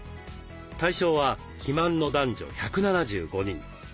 対象は肥満の男女１７５人。